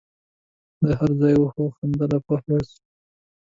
د هر ځای وښو خندله په هوس وه